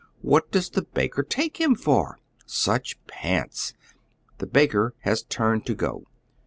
What does the baker take him for ? Such pants —, The baker has tnrned to go.